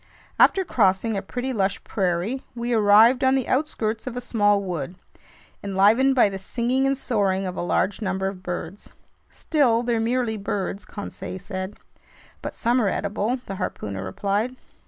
After crossing a pretty lush prairie, we arrived on the outskirts of a small wood, enlivened by the singing and soaring of a large number of birds. "Still, they're merely birds," Conseil said. "But some are edible," the harpooner replied.